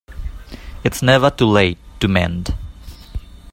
It's never too late to mend.